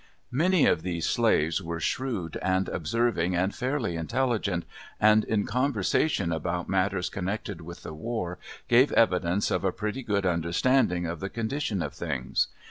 Many of these slaves were shrewd and observing and fairly intelligent, and in conversation about matters connected with the war gave evidence of a pretty good understanding of the condition of things.